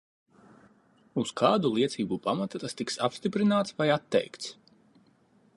Uz kādu liecību pamata tas tiks apstiprināts vai atteikts?